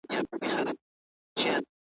له خپل ایمان له خپل وجدانه ګوښه `